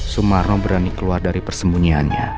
sumarno berani keluar dari persembunyiannya